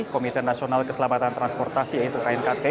komite nasional keselamatan transportasi yaitu knkt